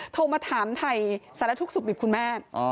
โทรมาถามไทยสารทุกข์สุขดิบคุณแม่